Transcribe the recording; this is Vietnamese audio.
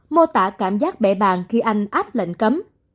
mô tả cảm giác bệ bàn khi anh áp lệnh cấm